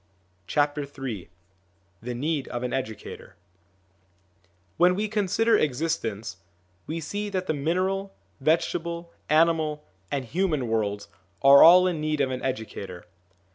Ill THE NEED OF AN EDUCATOR WHEN we consider existence, we see that the mineral, vegetable, animal, and human worlds are all in need of an educator.